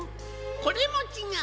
これもちがう。